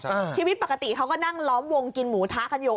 ชีวิตปกติเขาก็นั่งล้อมวงกินหมูทะกันอยู่